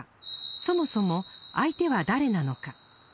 そもそも相手は誰なのか？